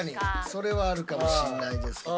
それはあるかもしんないですけど。